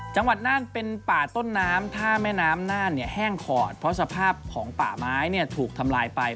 น่านเป็นป่าต้นน้ำถ้าแม่น้ำน่านแห้งขอดเพราะสภาพของป่าไม้ถูกทำลายไป